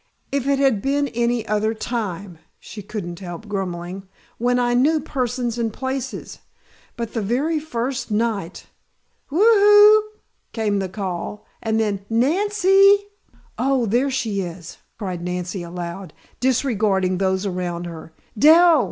"If it had been any other time," she couldn't help grumbling, "when I knew persons and places. But the very first night " "Woo hoo!" came a call. Then: "Nan cee!" "Oh, there she is!" cried Nancy aloud, disregarding those around her. "Dell!"